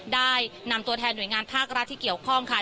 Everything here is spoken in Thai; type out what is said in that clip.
ได้นำตัวแทนหน่วยงานภาครัฐที่เกี่ยวข้องค่ะ